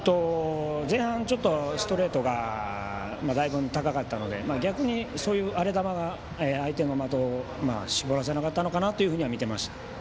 前半、ストレートがだいぶ高かったので逆にそういう荒れ球が相手の的を絞らせなかったのかなというふうには見てました。